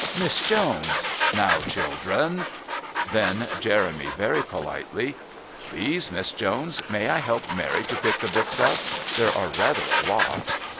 Miss Jones: "Now, children " Then Jeremy, very politely: "Please, Miss Jones, may I help Mary to pick the books up? There are rather a lot."